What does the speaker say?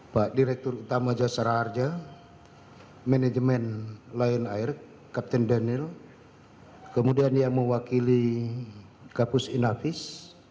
pak direktur utama jasara harja manajemen lion air kapten daniel kemudian yang mewakili kapus inavis